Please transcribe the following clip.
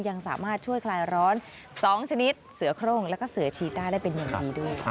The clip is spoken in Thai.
ยังสามารถช่วยคลายร้อน๒ชนิดเสือโครงแล้วก็เสือชีต้าได้เป็นอย่างดีด้วย